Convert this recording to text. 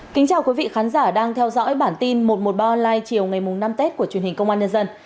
kính chào quý vị khán giả đang theo dõi bản tin một trăm một mươi ba online chiều ngày năm tết của truyền hình công an nhân dân